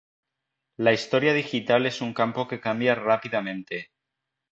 La historia digital es un campo que cambia rápidamente.